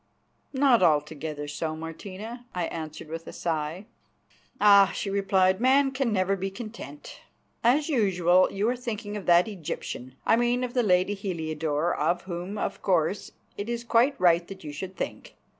"Not altogether so, Martina," I answered with a sigh. "Ah!" she replied, "man can never be content. As usual, you are thinking of that Egyptian, I mean of the lady Heliodore, of whom, of course, it is quite right that you should think.